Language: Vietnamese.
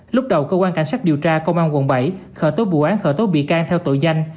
lúc đầu cơ quan cảnh sát điều tra công an quận bảy khởi tố vụ án khởi tố bị can theo tội danh